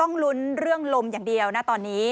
ต้องลุ้นเรื่องลมอย่างเดียวนะตอนนี้